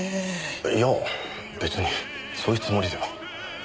いや別にそういうつもりでは。